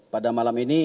pada malam ini